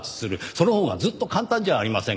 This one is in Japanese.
そのほうがずっと簡単じゃありませんか。